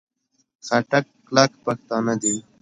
خټک کلک پښتانه دي.